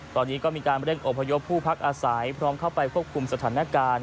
ตอนนี้ก็มีการเร่งอพยพผู้พักอาศัยพร้อมเข้าไปควบคุมสถานการณ์